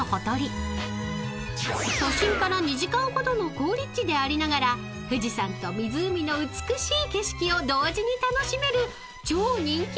［都心から２時間ほどの好立地でありながら富士山と湖の美しい景色を同時に楽しめる超人気別荘地］